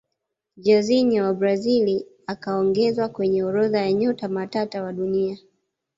jairzinho wa brazil akaongezwa kwenye orodha ya nyota matata wa dunia